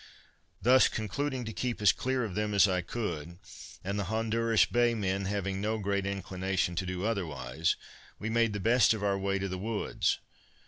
Thus, concluding to keep as clear of them as I could, and the Honduras Bay men having no great inclination to do otherwise, we made the best of our way to the woods.